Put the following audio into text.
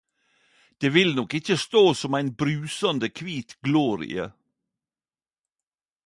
Det vil nok ikkje stå som ein brusande kvit glorie